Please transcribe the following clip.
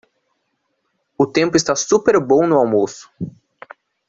O tempo está super bom no almoço